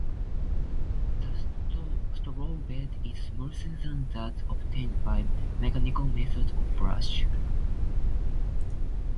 The stromal bed is smoother than that obtained by mechanical methods or brush.